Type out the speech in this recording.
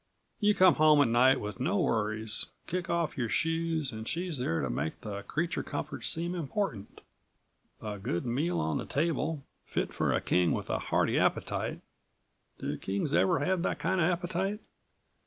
You come home at night with no worries, kick off your shoes and she's there to make the creature comforts seem important. A good meal on the table, fit for a king with a hearty appetite do kings ever have that kind of appetite?